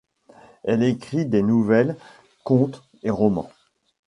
Elle écrit des nouvelles, contes et romans.